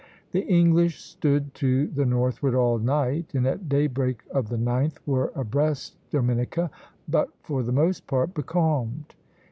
The English stood to the northward all night, and at daybreak of the 9th were abreast Dominica, but for the most part becalmed.